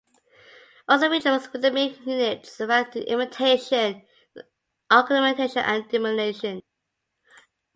Also featured were rhythmic units varied through imitation, augmentation, and diminution.